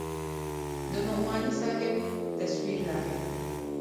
د نعماني صاحب تصوير راغى.